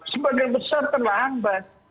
sebagian besar terlambat